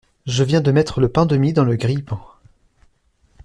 Je viens de mettre le pain de mie dans le grille-pain.